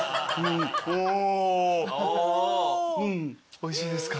おいしいですか？